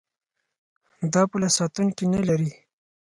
دا پوله ساتونکي نلري.